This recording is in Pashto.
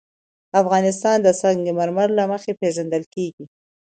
افغانستان د سنگ مرمر له مخې پېژندل کېږي.